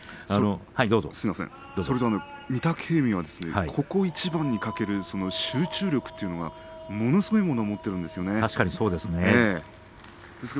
それから御嶽海はここ一番に懸ける集中力というのがものすごいものを持っているんですよね。